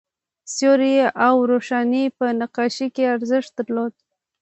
سیوری او روښنايي په نقاشۍ کې ارزښت درلود.